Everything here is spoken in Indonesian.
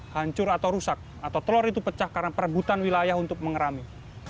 hancur atau rusak atau telur itu pecah karena perebutan wilayah untuk mengerami